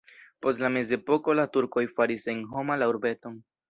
Post la mezepoko la turkoj faris senhoma la urbeton.